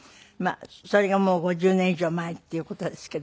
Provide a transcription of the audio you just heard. それがもう５０年以上前っていう事ですけども。